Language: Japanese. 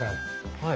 はい。